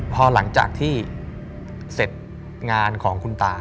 พอหลังจากที่เสร็จงานของคุณตา